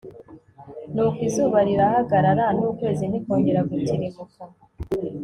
nuko izuba rirahagarara, n'ukwezi ntikongera gutirimuka